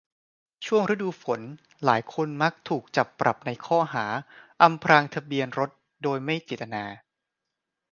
ช่วงฤดูฝนหลายคนมักถูกจับปรับในข้อหา อำพรางทะเบียนรถโดยไม่เจตนา